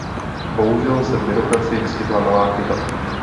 Bohužel se v byrokracii vyskytla malá chyba.